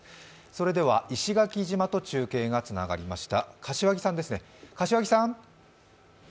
それでは石垣島と中継がつながりました。